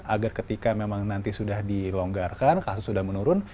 agar ketika memang nanti sudah dilonggarkan kasus sudah menurun